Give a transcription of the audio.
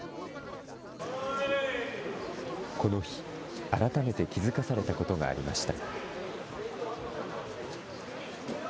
この日、改めて気付かされたことがありました。